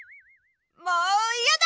もういやだ！